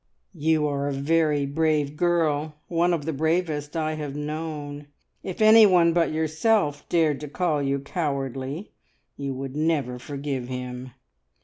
"You are a very brave girl one of the bravest I have known. If anyone but yourself dared to call you cowardly, you would never forgive him!"